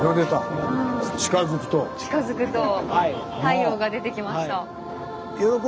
近づくと太陽が出てきました。